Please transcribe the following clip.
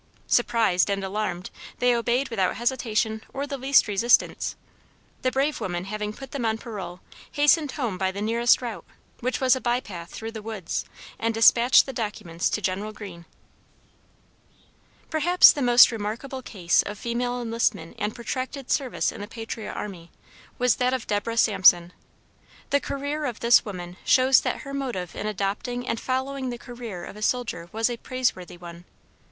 Surprised and alarmed, they obeyed without hesitation or the least resistance. The brave women having put them on parole, hastened home by the nearest route, which was a bypath through the woods, and dispatched the documents to General Greene. Perhaps the most remarkable case of female enlistment and protracted service in the patriot army, was that of Deborah Samson. The career of this woman shows that her motive in adopting and following the career of a soldier was a praiseworthy one.